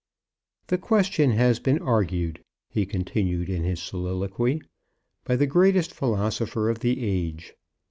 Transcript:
"The question has been argued," he continued in his soliloquy, "by the greatest philosopher of the age.